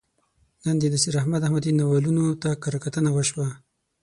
نن د نصیر احمد احمدي ناولونو ته کرهکتنه وشوه.